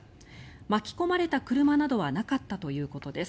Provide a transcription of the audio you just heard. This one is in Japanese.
巻き込まれた車などはなかったということです。